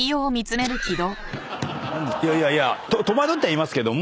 いやいや戸惑ってはいますけども